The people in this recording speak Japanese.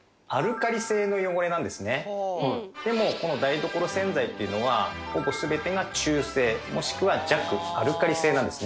でもこの台所洗剤っていうのはほぼ全てが中性もしくは弱アルカリ性なんですね。